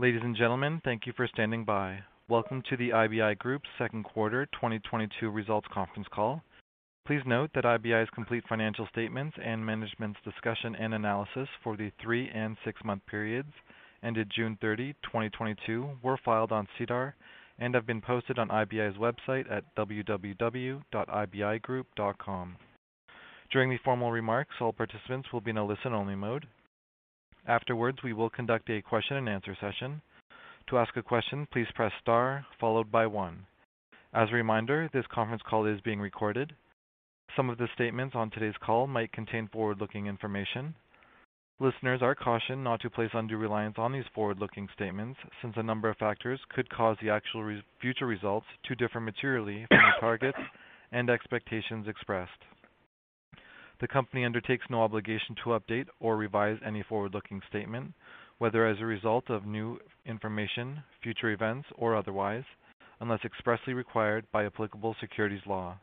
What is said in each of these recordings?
Ladies and gentlemen, thank you for standing by. Welcome to the IBI Group's second quarter 2022 results conference call. Please note that IBI's complete financial statements and management's discussion and analysis for the three- and six-month periods ended June 30, 2022 were filed on SEDAR and have been posted on IBI's website at www.ibigroup.com. During the formal remarks, all participants will be in a listen-only mode. Afterwards, we will conduct a question-and-answer session. To ask a question, please press star followed by one. As a reminder, this conference call is being recorded. Some of the statements on today's call might contain forward-looking information. Listeners are cautioned not to place undue reliance on these forward-looking statements since a number of factors could cause the actual future results to differ materially from the targets and expectations expressed. The company undertakes no obligation to update or revise any forward-looking statement, whether as a result of new information, future events, or otherwise, unless expressly required by applicable securities law.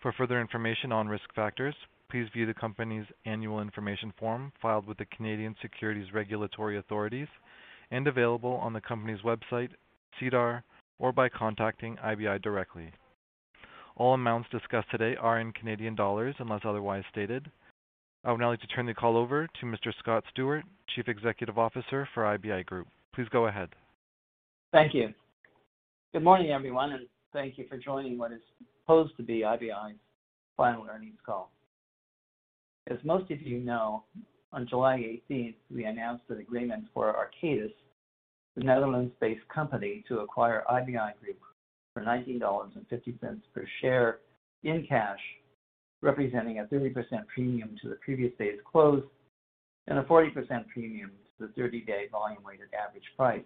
For further information on risk factors, please view the company's annual information form filed with the Canadian Securities Administrators and available on the company's website, SEDAR, or by contacting IBI directly. All amounts discussed today are in Canadian dollars unless otherwise stated. I would now like to turn the call over to Mr. Scott Stewart, Chief Executive Officer for IBI Group. Please go ahead. Thank you. Good morning, everyone, and thank you for joining what is supposed to be IBI's final earnings call. As most of you know, on July 18th, we announced an agreement for Arcadis, the Netherlands-based company, to acquire IBI Group for 19.50 dollars per share in cash, representing a 30% premium to the previous day's close and a 40% premium to the 30-day volume-weighted average price.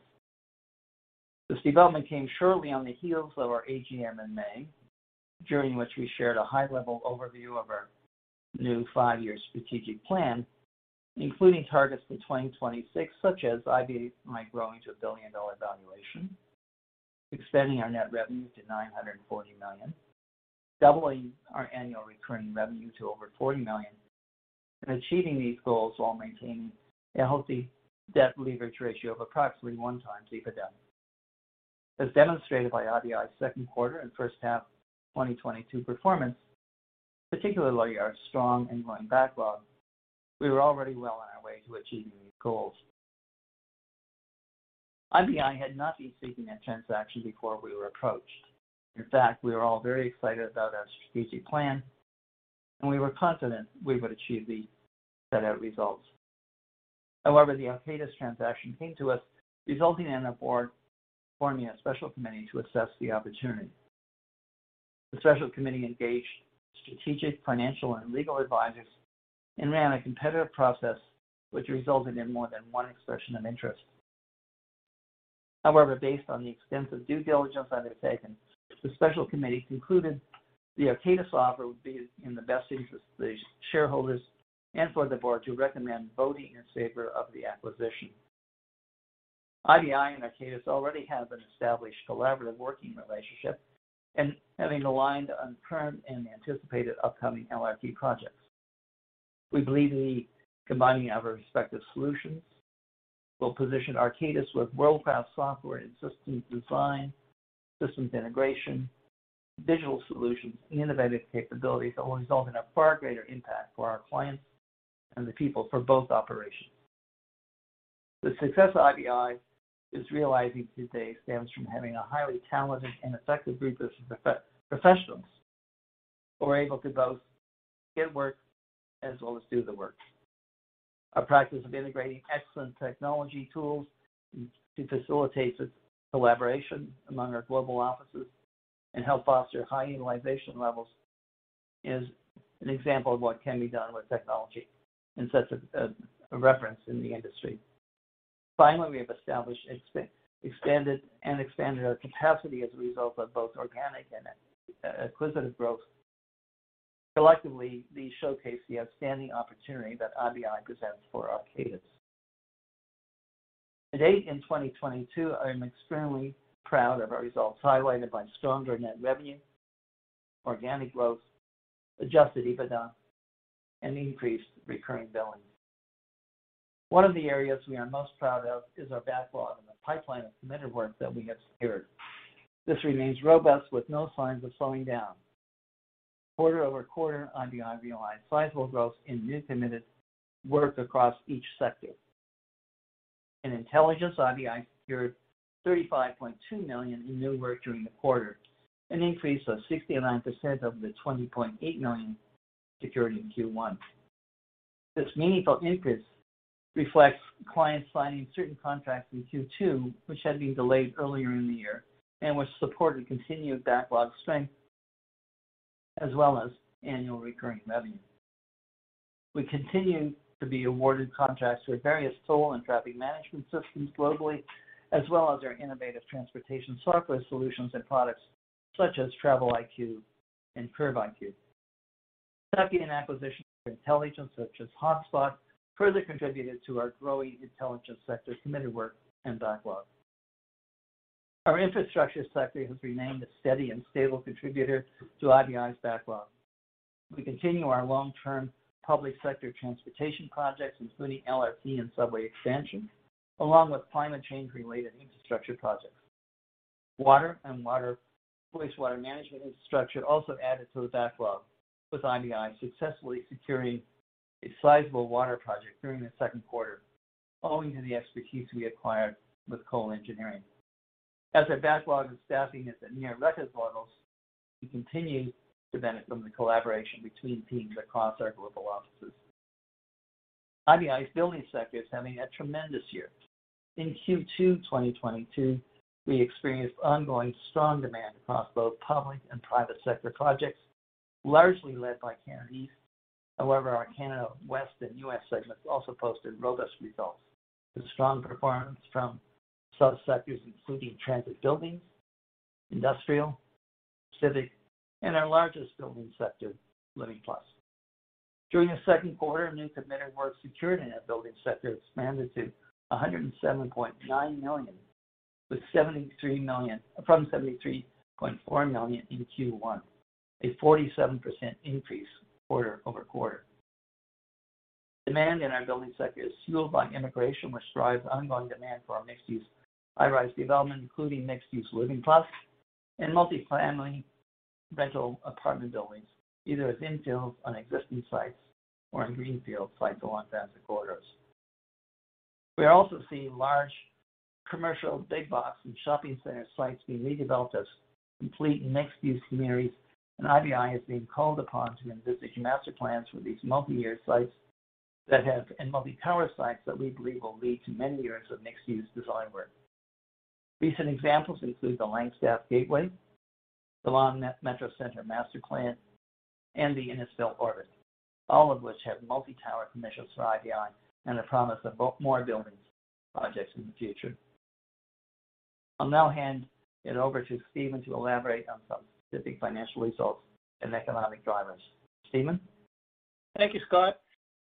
This development came shortly on the heels of our AGM in May, during which we shared a high-level overview of our new five-year strategic plan, including targets for 2026, such as IBI growing to a billion-dollar valuation, expanding our net revenue to 940 million, doubling our annual recurring revenue to over 40 million, and achieving these goals while maintaining a healthy debt leverage ratio of approximately 1x EBITDA. As demonstrated by IBI's second quarter and first half 2022 performance, particularly our strong ongoing backlog, we were already well on our way to achieving these goals. IBI had not been seeking a transaction before we were approached. In fact, we were all very excited about our strategic plan, and we were confident we would achieve the set out results. However, the Arcadis transaction came to us, resulting in the board forming a special committee to assess the opportunity. The special committee engaged strategic, financial, and legal advisors and ran a competitive process which resulted in more than one expression of interest. However, based on the extensive due diligence undertaken, the special committee concluded the Arcadis offer would be in the best interest of the shareholders and for the board to recommend voting in favor of the acquisition. IBI and Arcadis already have an established collaborative working relationship and having aligned on current and anticipated upcoming LRT projects. We believe the combining of our respective solutions will position Arcadis with world-class software and systems design, systems integration, digital solutions, and innovative capabilities that will result in a far greater impact for our clients and the people for both operations. The success IBI is realizing today stems from having a highly talented and effective group of professionals who are able to both get work as well as do the work. Our practice of integrating excellent technology tools to facilitate the collaboration among our global offices and help foster high utilization levels is an example of what can be done with technology and sets a reference in the industry. Finally, we have established extended and expanded our capacity as a result of both organic and acquisitive growth. Collectively, these showcase the outstanding opportunity that IBI presents for Arcadis. To date, in 2022, I am extremely proud of our results, highlighted by stronger net revenue, organic growth, adjusted EBITDA, and increased recurring billing. One of the areas we are most proud of is our backlog and the pipeline of committed work that we have secured. This remains robust with no signs of slowing down. Quarter-over-quarter, IBI realized sizable growth in new committed work across each sector. In intelligence, IBI secured 35.2 million in new work during the quarter, an increase of 69% over the 20.8 million secured in Q1. This meaningful increase reflects clients signing certain contracts in Q2, which had been delayed earlier in the year and which support the continued backlog strength as well as annual recurring revenue. We continue to be awarded contracts with various toll and traffic management systems globally, as well as our innovative transportation software solutions and products such as Travel-IQ and CurbIQ. The second acquisition of intelligence, such as Hotspot, further contributed to our growing intelligence sector's committed work and backlog. Our infrastructure sector has remained a steady and stable contributor to IBI's backlog. We continue our long-term public sector transportation projects, including LRT and subway expansion, along with climate change-related infrastructure projects. Water and wastewater management infrastructure also added to the backlog, with IBI successfully securing a sizable water project during the second quarter, owing to the expertise we acquired with Cole Engineering Group. As our backlog and staffing is at near record levels, we continue to benefit from the collaboration between teams across our global offices. IBI's building sector is having a tremendous year. In Q2 2022, we experienced ongoing strong demand across both public and private sector projects, largely led by Canada East. However, our Canada West and U.S. segments also posted robust results with strong performance from sub-sectors including transit buildings, industrial, civic, and our largest building sector, Living+. During the second quarter, new committed work secured in our buildings sector expanded to 107.9 million from 73.4 million in Q1, a 47% increase quarter-over-quarter. Demand in our buildings sector is fueled by immigration, which drives ongoing demand for our mixed-use, high-rise development, including mixed-use Living+ and multi-family rental apartment buildings, either as infills on existing sites or in greenfield sites along transit corridors. We are also seeing large commercial big box and shopping center sites being redeveloped as complete mixed-use communities, and IBI is being called upon to envisage master plans for these multi-year sites and multi-tower sites that we believe will lead to many years of mixed-use design work. Recent examples include the Langstaff Gateway, the Longment Metro Center master plan, and the Innisfil Orbit, all of which have multi-tower potential for IBI and the promise of more buildings projects in the future. I'll now hand it over to Stephen to elaborate on some specific financial results and economic drivers. Stephen? Thank you, Scott.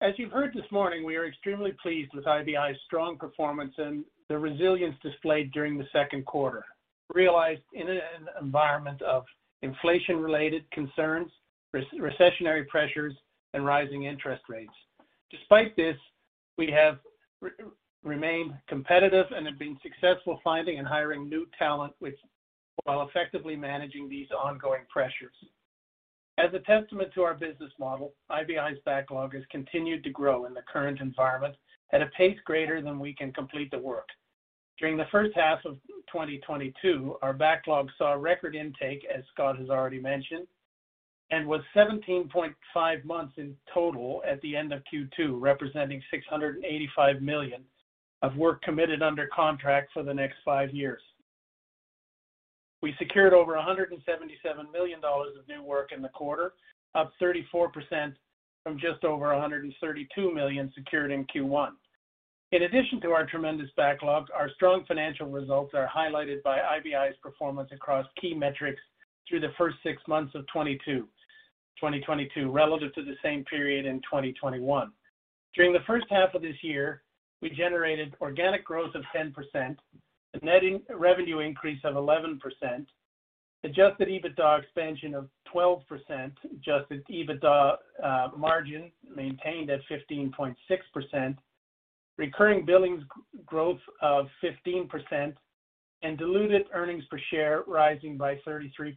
As you've heard this morning, we are extremely pleased with IBI's strong performance and the resilience displayed during the second quarter, realized in an environment of inflation-related concerns, recessionary pressures, and rising interest rates. Despite this, we have remained competitive and have been successful finding and hiring new talent while effectively managing these ongoing pressures. As a testament to our business model, IBI's backlog has continued to grow in the current environment at a pace greater than we can complete the work. During the first half of 2022, our backlog saw a record intake, as Scott has already mentioned, and was 17.5 months in total at the end of Q2, representing 685 million of work committed under contract for the next five years. We secured over 177 million dollars of new work in the quarter, up 34% from just over 132 million secured in Q1. In addition to our tremendous backlog, our strong financial results are highlighted by IBI's performance across key metrics through the first six months of 2022 relative to the same period in 2021. During the first half of this year, we generated organic growth of 10%, a net revenue increase of 11%, adjusted EBITDA expansion of 12%, adjusted EBITDA margin maintained at 15.6%, recurring billings growth of 15%, and diluted earnings per share rising by 33%.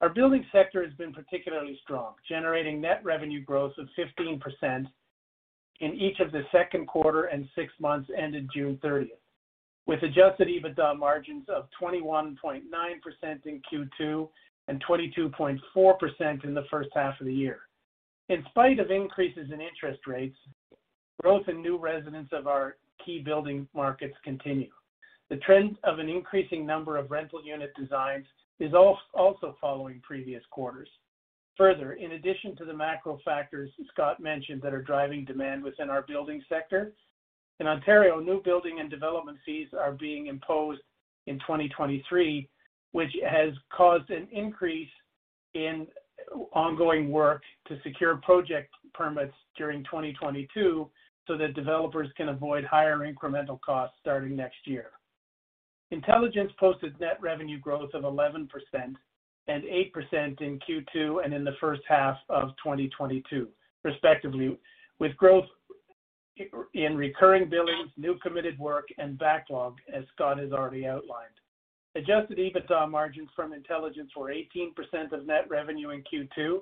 Our buildings sector has been particularly strong, generating net revenue growth of 15% in each of the second quarter and six months ended June 30, with adjusted EBITDA margins of 21.9% in Q2 and 22.4% in the first half of the year. In spite of increases in interest rates, growth in new residents of our key building markets continue. The trend of an increasing number of rental unit designs is also following previous quarters. Further, in addition to the macro factors Scott mentioned that are driving demand within our buildings sector, in Ontario, new building and development fees are being imposed in 2023, which has caused an increase in ongoing work to secure project permits during 2022 so that developers can avoid higher incremental costs starting next year. Intelligence posted net revenue growth of 11% and 8% in Q2 and in the first half of 2022, respectively, with growth in recurring billings, new committed work, and backlog, as Scott has already outlined. Adjusted EBITDA margins from intelligence were 18% of net revenue in Q2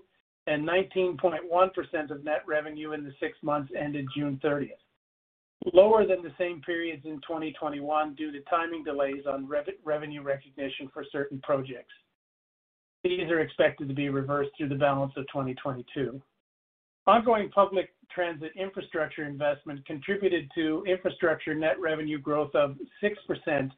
and 19.1% of net revenue in the six months ended June 30th, lower than the same periods in 2021 due to timing delays on revenue recognition for certain projects. These are expected to be reversed through the balance of 2022. Ongoing public transit infrastructure investment contributed to infrastructure net revenue growth of 6%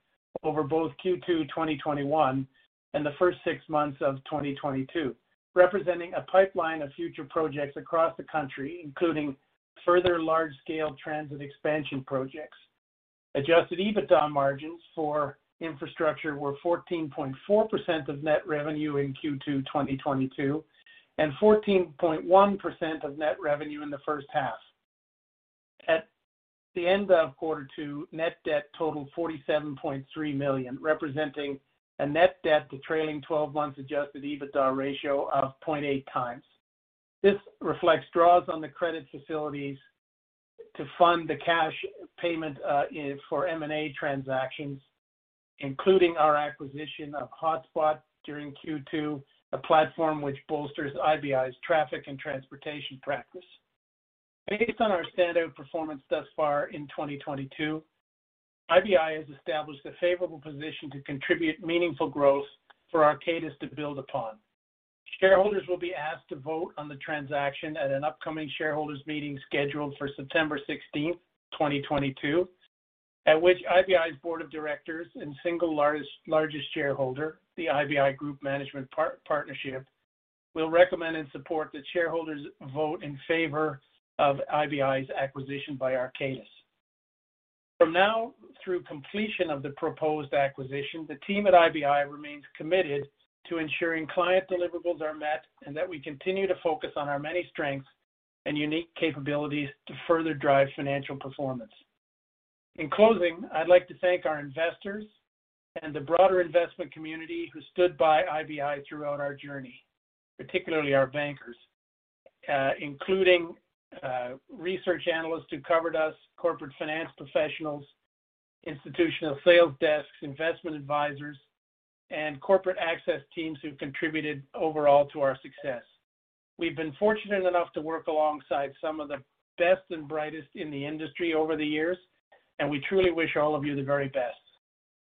over both Q2 2021 and the first six months of 2022, representing a pipeline of future projects across the country, including further large-scale transit expansion projects. Adjusted EBITDA margins for infrastructure were 14.4% of net revenue in Q2 2022 and 14.1% of net revenue in the first half. At the end of quarter two, net debt totaled 47.3 million, representing a net debt to trailing twelve months adjusted EBITDA ratio of 0.8x. This reflects draws on the credit facilities to fund the cash payment for M&A transactions, including our acquisition of Hotspot during Q2, a platform which bolsters IBI's traffic and transportation practice. Based on our standout performance thus far in 2022, IBI has established a favorable position to contribute meaningful growth for Arcadis to build upon. Shareholders will be asked to vote on the transaction at an upcoming shareholders meeting scheduled for September 16th, 2022, at which IBI's board of directors and single largest shareholder, the IBI Group Management Partnership, will recommend and support the shareholders' vote in favor of IBI's acquisition by Arcadis. From now through completion of the proposed acquisition, the team at IBI remains committed to ensuring client deliverables are met and that we continue to focus on our many strengths and unique capabilities to further drive financial performance. In closing, I'd like to thank our investors and the broader investment community who stood by IBI throughout our journey, particularly our bankers, including research analysts who covered us, corporate finance professionals, institutional sales desks, investment advisors, and corporate access teams who contributed overall to our success. We've been fortunate enough to work alongside some of the best and brightest in the industry over the years, and we truly wish all of you the very best.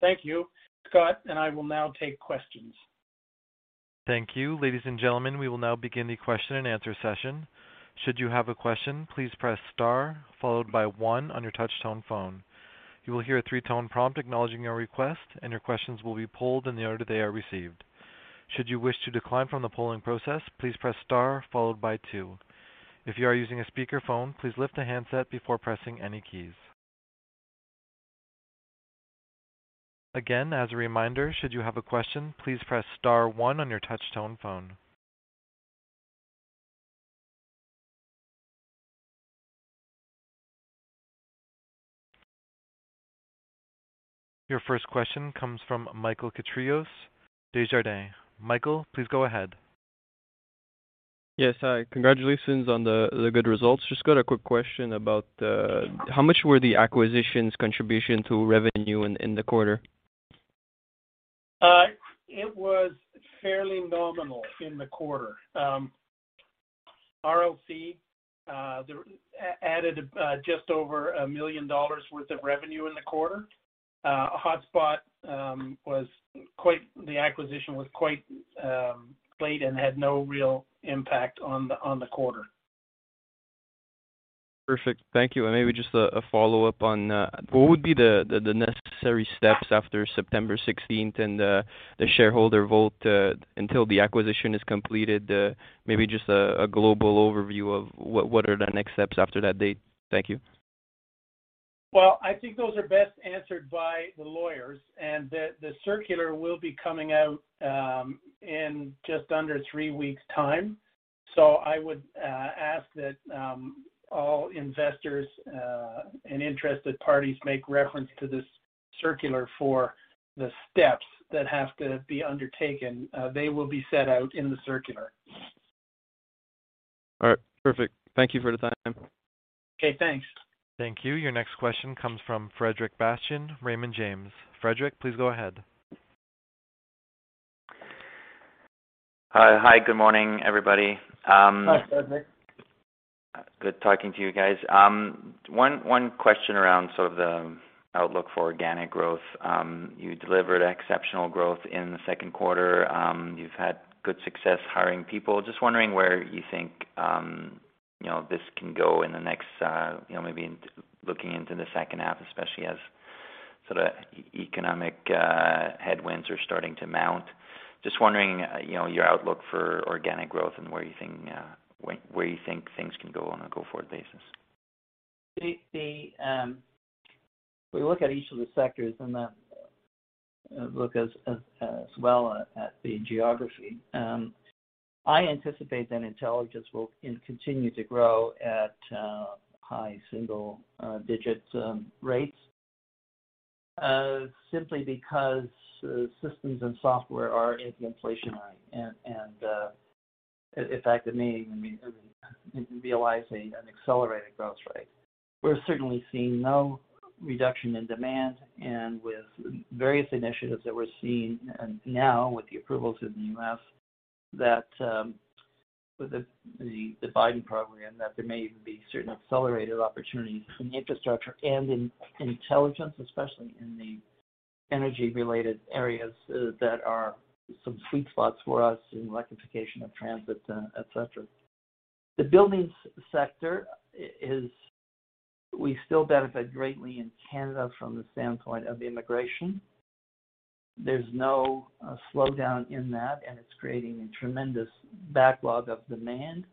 Thank you. Scott and I will now take questions. Thank you. Ladies and gentlemen, we will now begin the question and answer session. Should you have a question, please press star followed by one on your touch tone phone. You will hear a three-tone prompt acknowledging your request, and your questions will be polled in the order they are received. Should you wish to decline from the polling process, please press star followed by two. If you are using a speakerphone, please lift the handset before pressing any keys. Again, as a reminder, should you have a question, please press star one on your touch tone phone. Your first question comes from Michael Kypreos, Desjardins. Michael, please go ahead. Yes. Congratulations on the good results. Just got a quick question about how much were the acquisitions contribution to revenue in the quarter? It was fairly nominal in the quarter. ROC added just over 1 million dollars worth of revenue in the quarter. Hotspot, the acquisition was quite late and had no real impact on the quarter. Perfect. Thank you. Maybe just a follow-up on what would be the necessary steps after September 16th and the shareholder vote until the acquisition is completed? Maybe just a global overview of what are the next steps after that date. Thank you. Well, I think those are best answered by the lawyers, and the circular will be coming out in just under three weeks time. I would ask that all investors and interested parties make reference to this circular for the steps that have to be undertaken. They will be set out in the circular. All right. Perfect. Thank you for the time. Okay, thanks. Thank you. Your next question comes from Frederic Bastien, Raymond James. Frederic, please go ahead. Hi. Hi, good morning, everybody. Hi, Frederic. Good talking to you guys. One question around sort of the outlook for organic growth. You delivered exceptional growth in the second quarter. You've had good success hiring people. Just wondering where you think this can go in the next, you know, maybe looking into the second half, especially as sort of economic headwinds are starting to mount. Just wondering your outlook for organic growth and where you think things can go on a go-forward basis. We look at each of the sectors and look as well at the geography. I anticipate that intelligence will continue to grow at high single digits rates simply because systems and software are inflation-indexed. In fact, it may even be realizing an accelerated growth rate. We're certainly seeing no reduction in demand and with various initiatives that we're seeing now with the approvals in the US that the Biden program that there may even be certain accelerated opportunities in infrastructure and in intelligence, especially in the energy-related areas that are some sweet spots for us in electrification of transit, et cetera. The buildings sector. We still benefit greatly in Canada from the standpoint of immigration. There's no slowdown in that, and it's creating a tremendous backlog of demand.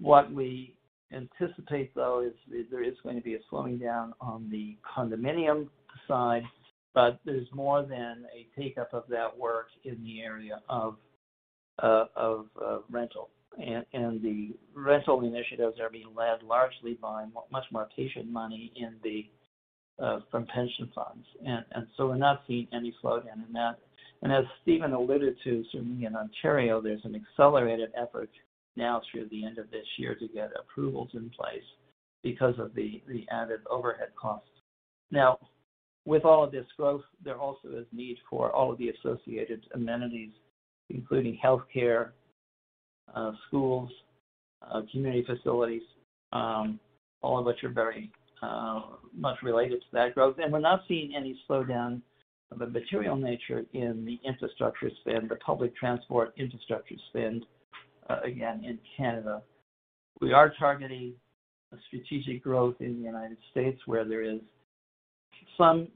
What we anticipate, though, is there is going to be a slowing down on the condominium side, but there's more than a take up of that work in the area of Of rental. The rental initiatives are being led largely by much more patient money in the form of pension funds. We're not seeing any slowdown in that. As Stephen alluded to, certainly in Ontario, there's an accelerated effort now through the end of this year to get approvals in place because of the added overhead costs. Now, with all of this growth, there also is need for all of the associated amenities, including healthcare, schools, community facilities, all of which are very much related to that growth. We're not seeing any slowdown of a material nature in the infrastructure spend, the public transport infrastructure spend, again, in Canada. We are targeting strategic growth in the United States, where there is some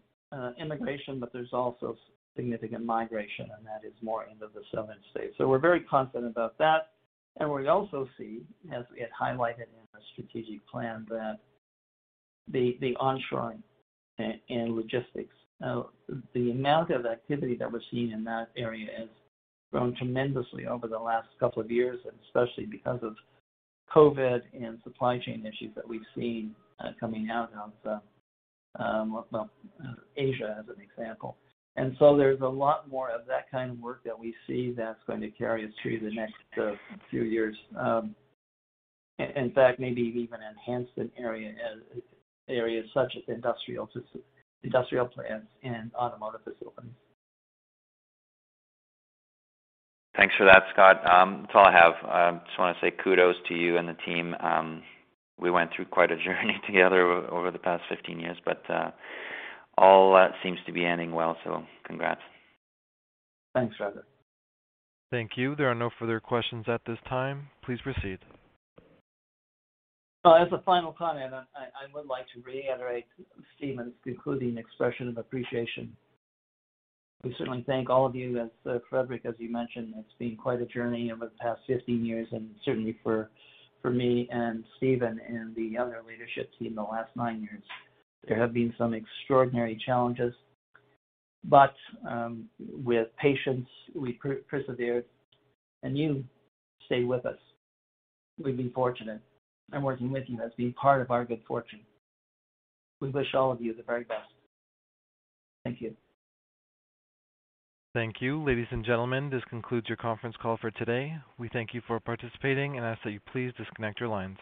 immigration, but there's also significant migration, and that is more in the southern states. We're very confident about that. We also see, as it highlighted in our strategic plan, that the onshoring and logistics. The amount of activity that we're seeing in that area has grown tremendously over the last couple of years, and especially because of COVID and supply chain issues that we've seen coming out of Asia as an example. There's a lot more of that kind of work that we see that's going to carry us through the next few years. In fact, maybe even enhance areas such as industrial plants and automotive facilities. Thanks for that, Scott. That's all I have. Just wanna say kudos to you and the team. We went through quite a journey together over the past 15 years, but all that seems to be ending well, so congrats. Thanks, Frederic. Thank you. There are no further questions at this time. Please proceed. Well, as a final comment, I would like to reiterate Stephen's concluding expression of appreciation. We certainly thank all of you, as, Frederic, as you mentioned, it's been quite a journey over the past 15 years, and certainly for me and Stephen and the other leadership team the last nine years. There have been some extraordinary challenges, but, with patience, we persevered, and you stayed with us. We've been fortunate, and working with you has been part of our good fortune. We wish all of you the very best. Thank you. Thank you. Ladies and gentlemen, this concludes your conference call for today. We thank you for participating and ask that you please disconnect your lines.